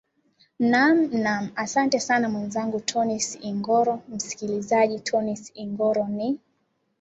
naam naam asante sana mwenzangu tonis ingoro msikilizaji tonis ingoro ni